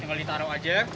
tinggal ditaruh aja